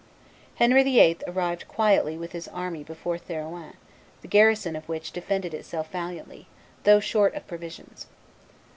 Henry VIII. arrived quietly with his army before Therouanne, the garrison of which defended itself valiantly, though short of provisions.